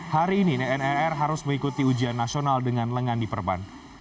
hari ini nener harus mengikuti ujian nasional dengan lengan di perban